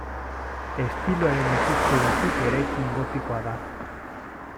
Estiloaren ikuspegitik eraikin gotikoa da.